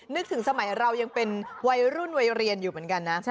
นึกถึงสมัยเรายังเป็นวัยรุ่นวัยเรียนอยู่เหมือนกันนะ